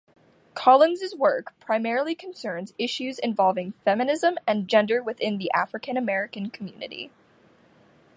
Collins's work primarily concerns issues involving feminism and gender within the African-American community.